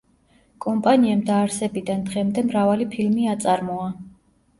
კომპანიამ დაარსებიდან დღემდე მრავალი ფილმი აწარმოა.